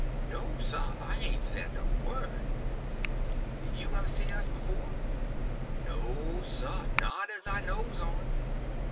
"No, sah, I hain't said a word." "Did you ever see us before?" "No, sah; not as I knows on."